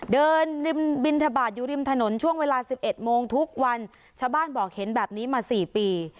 เดินริมบินทบาทอยู่ริมถนนช่วงเวลาสิบเอ็ดโมงทุกวันชาวบ้านบอกเห็นแบบนี้มาสี่ปี